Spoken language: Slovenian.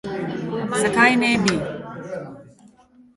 Zakaj ne bi?